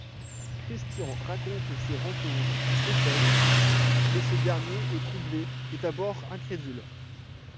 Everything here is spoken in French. Christian raconte ces rencontres à Stephen, mais ce dernier est troublé et d'abord incrédule.